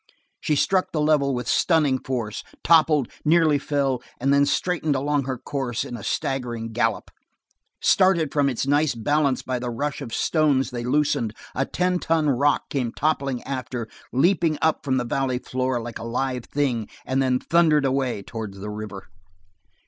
She struck the level with stunning force, toppled, nearly fell, and then straightened along her course in a staggering gallop. Started from its nice balance by the rush of stones they loosened, a ten ton rock came toppling after, leaped up from the valley floor like a live thing, and then thundered away towards the river.